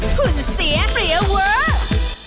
หุ่นเสียเปรียเวิร์ด